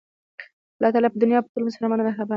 الله تعالی په دنیا کې په ټولو انسانانو مهربانه دی.